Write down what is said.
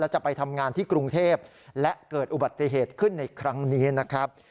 จะไปทำงานที่กรุงเทพและเกิดอุบัติเหตุขึ้นในครั้งนี้นะครับ